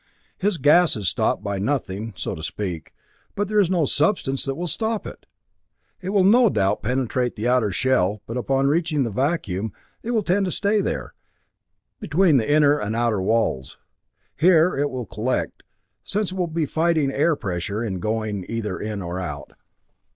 His gas is stopped by nothing, so to speak, but there is no substance that will stop it! It will no doubt penetrate the outer shell, but on reaching the vacuum, it will tend to stay there, between the inner and outer walls. Here it will collect, since it will be fighting air pressure in going either in or out.